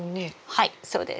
はいそうです。